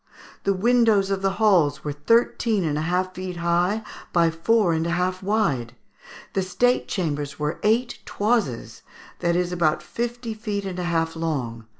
The windows of the halls were thirteen and a half feet[A] high by four and a half wide. The state chambers were eight 'toises,' that is, about fifty feet and a half long.